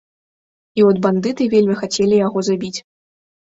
І от бандыты вельмі хацелі яго забіць.